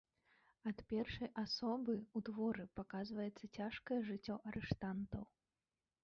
Ад першай асобы ў творы паказваецца цяжкае жыццё арыштантаў.